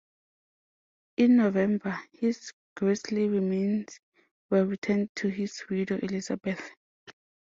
In November his grisly remains were returned to his widow Elizabeth.